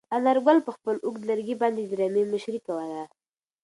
انارګل په خپل اوږد لرګي باندې د رمې مشري کوله.